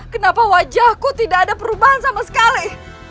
kenapa wajahku tidak ada perubahan sama sekali